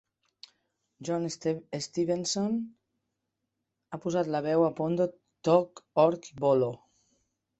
John Stephenson ha posat la veu a Pondo, Tog, Ork i Bollo.